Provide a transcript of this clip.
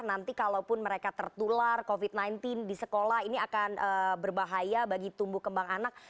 nanti kalaupun mereka tertular covid sembilan belas di sekolah ini akan berbahaya bagi tumbuh kembang anak